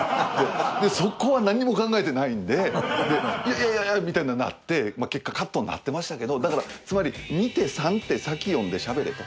でそこは何も考えてないんでいやいやいやみたいななって結果カットになってましたけどだからつまり二手三手先読んでしゃべれと。